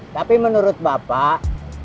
tapi menurut bapak